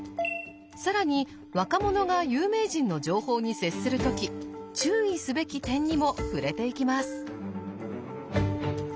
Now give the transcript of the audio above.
更に若者が有名人の情報に接する時注意すべき点にも触れていきます。